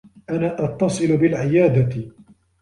أنا أتّصل بالعيادة.